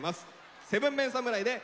７ＭＥＮ侍で